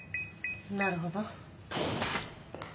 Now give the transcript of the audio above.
なるほど。